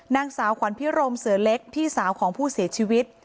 นางสาวขวัญพิรมเสือเล็กพี่สาวของผู้เสียชีวิต